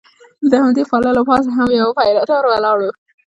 د همدې پله له پاسه هم یو پیره دار ولاړ و.